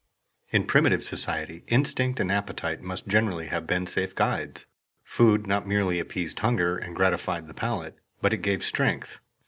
In primitive society instinct and appetite must generally have been safe guides. Food not merely appeased hunger and gratified the palate, but it gave strength.